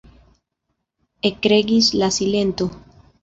Ekregis la silento.